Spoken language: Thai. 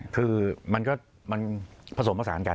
คือมันก็มันผสมผสานกัน